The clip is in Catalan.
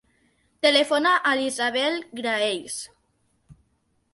Telefona a l'Isabel Graells.